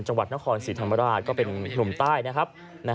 จังหวัดนครศรีธรรมราชก็เป็นนุ่มใต้นะครับ